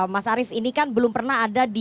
mas arief ini kan belum pernah ada di